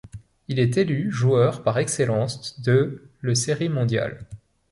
Il est élu joueur par excellence de le Série mondiale.